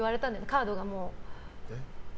カードがもう。